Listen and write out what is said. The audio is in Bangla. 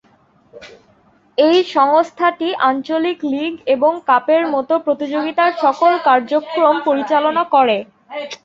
এই সংস্থাটি আঞ্চলিক লীগ এবং কাপের মতো প্রতিযোগিতার সকল কার্যক্রম পরিচালনা করে।